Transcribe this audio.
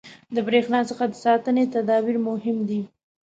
• د برېښنا څخه د ساتنې تدابیر مهم دي.